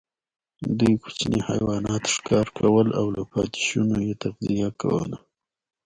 دوی کوچني حیوانات ښکار کول او له پاتېشونو یې تغذیه کوله.